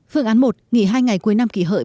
phương án một nghỉ hai ngày cuối năm kỷ hợi